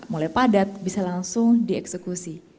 mulai padat bisa langsung dieksekusi